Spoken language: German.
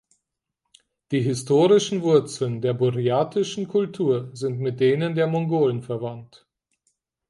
Die historischen Wurzeln der burjatischen Kultur sind mit denen der Mongolen verwandt.